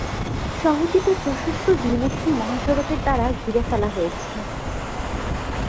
শহরটিতে প্রশস্ত দ্বি-মুখী মহাসড়কের দ্বারা ঘিরে ফেলা হয়েছে।